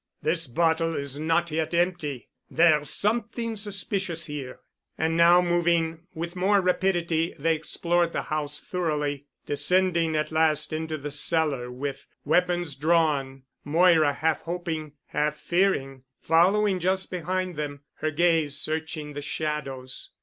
This bottle is not yet empty. There's something suspicious here." And now moving with more rapidity they explored the house thoroughly, descending at last into the cellar, with, weapons drawn, Moira, half hoping, half fearing, following just behind them, her gaze searching the shadows.